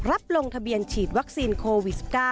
ลงทะเบียนฉีดวัคซีนโควิด๑๙